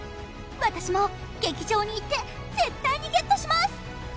私も劇場に行って絶対にゲットしまーす